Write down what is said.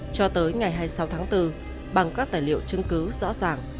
cho tới ngày hai mươi sáu tháng bốn bằng các tài liệu chứng cứ rõ ràng